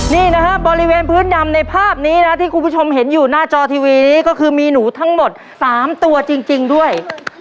นี่นะฮะบริเวณพื้นดำในภาพนี้นะที่คุณผู้ชมเห็นอยู่หน้าจอทีวีนี้ก็คือมีหนูทั้งหมด๓ตัวจริงด้วย